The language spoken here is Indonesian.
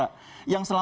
yang selama ini bergerak